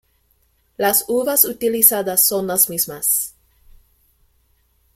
Las uvas utilizadas son las mismas.